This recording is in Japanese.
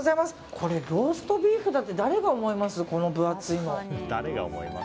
これローストビーフだって誰が思います？